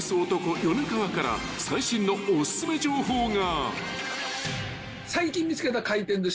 米川から最新のお薦め情報が］